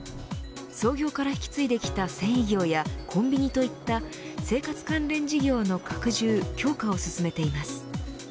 創業から引き継いできた繊維業やコンビニといった生活関連事業の拡充、強化を進めています。